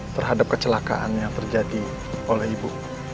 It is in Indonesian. terhadap kecelakaan yang terjadi oleh ibu